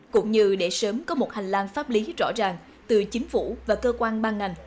cũng như để sớm có một hành lang pháp lý rõ ràng từ chính phủ và cơ quan ban ngành